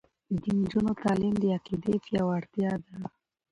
د نجونو تعلیم د عقیدې پیاوړتیا ده.